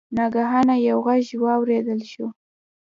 ناګهانه یو غږ واوریدل شو.